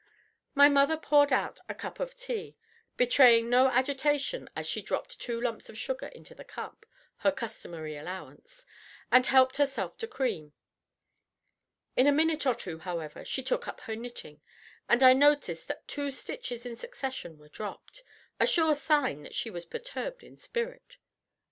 My mother poured out a cup of tea, betraying no agitation as she dropped two lumps of sugar into the cup her customary allowance and helped herself to cream. In a minute or two, however, she took up her knitting, and I noticed that two stitches in succession were dropped, a sure sign that she was perturbed in spirit.